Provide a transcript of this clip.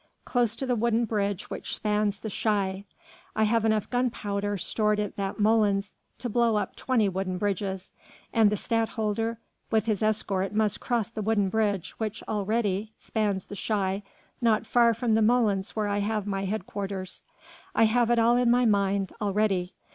close to the wooden bridge which spans the Schie.... I have enough gunpowder stored at that molens to blow up twenty wooden bridges ... and the Stadtholder with his escort must cross the wooden bridge which spans the Schie not far from the molens where I have my headquarters.... I have it all in my mind already....